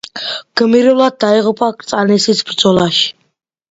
გმირულად დაიღუპა კრწანისის ბრძოლაში.